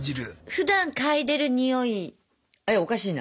ふだんかいでるにおいあれおかしいな。